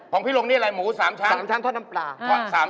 ของพี่ลงนี่อะไรหมู๓ชั้นน้ำปลา